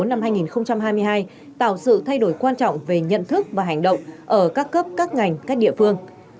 năm hai nghìn hai mươi hai tạo sự thay đổi quan trọng về nhận thức và hành động ở các cấp các ngành các địa phương